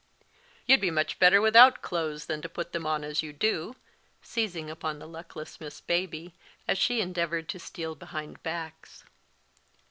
You'd be much better without clothes than to put them on as you do," seizing upon the luckless Miss Baby, as she endeavoured to steal behind backs.